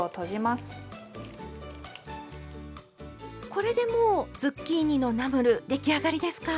これでもうズッキーニのナムル出来上がりですか？